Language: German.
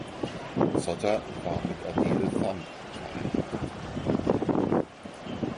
Zotter war mit Adele Thumb verheiratet.